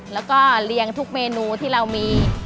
แล้วก็เลี้ยงทุกเมนูที่เรามี